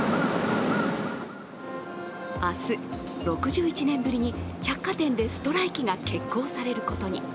明日、６１年ぶりに百貨店でストライキが決行されることに。